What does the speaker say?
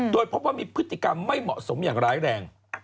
โดยพบว่ามีพฤติกรรมไม่เหมาะสมอย่างร้ายแรง